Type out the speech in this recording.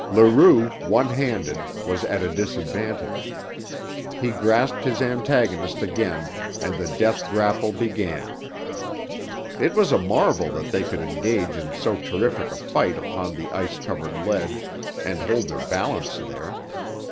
Leroux, one handed, was at a disadvantage. He grasped his antagonist again, and the death grapple began. It was a marvel that they could engage in so terrific a fight upon the ice coated ledge and hold their balance there.